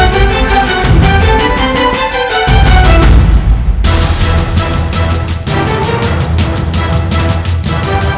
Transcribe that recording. jangan lihat pemanah